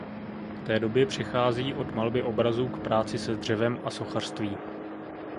Té době přechází od malby obrazů k práci se dřevem a sochařství.